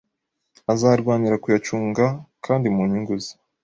azarwanira kuyacunga kandi mu nyungu ze